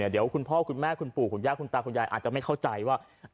เดี๋ยวคุณพ่อคุณแม่คุณปู่คุณย่าคุณตาคุณยายอาจจะไม่เข้าใจว่า